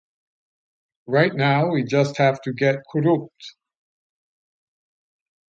Right now we just have to get Kurupt.